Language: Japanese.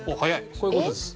こういう事です。